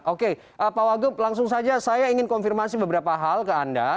oke pak wagub langsung saja saya ingin konfirmasi beberapa hal ke anda